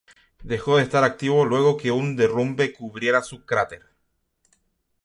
Dejó de estar activo luego que un derrumbe cubriera su cráter.